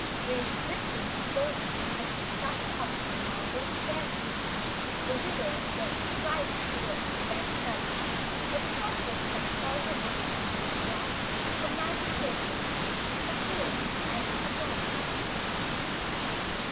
Waving briskly to the girls as they started up the marble stairway, the Wizard went striding toward the red study where the Sorceress kept all her books on witchcraft, her magic potions, her phials and appliances.